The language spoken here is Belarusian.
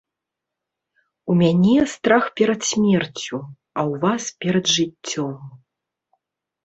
У мяне страх перад смерцю, а ў вас перад жыццём.